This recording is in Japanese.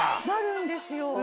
なるんですよ。